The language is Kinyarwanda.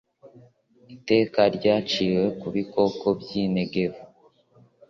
Iteka ryaciriwe ku bikoko by’i Negevu: